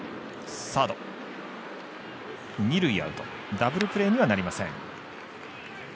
ダブルプレーにはなりません。